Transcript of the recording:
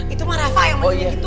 itu mah rafa yang main gitu